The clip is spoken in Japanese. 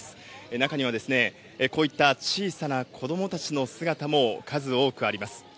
中にはこういった小さな子どもたちの姿も数多くあります。